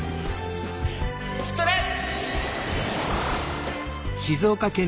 ストレッ！